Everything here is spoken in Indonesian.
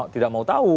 tidak mau tahu